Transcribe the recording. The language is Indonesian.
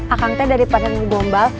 aku dari pandang gombal